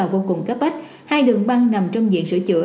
cô cùng các bách hai đường băng nằm trong diện sửa chữa